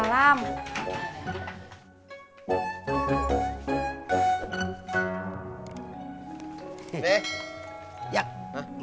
lu juga cakep